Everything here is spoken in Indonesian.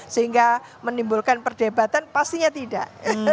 sehingga menimbulkan perdebatan pastinya tidak